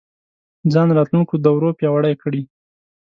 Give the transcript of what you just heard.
ځان راتلونکو دورو پیاوړی کړي